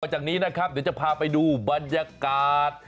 จากนี้นะครับเดี๋ยวจะพาไปดูบรรยากาศ